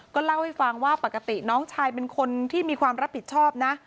เล่าให้ฟังว่าปกติน้องชายเป็นคนที่มีความรับผิดชอบนะ